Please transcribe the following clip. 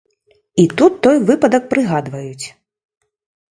І тут той выпадак прыгадваюць.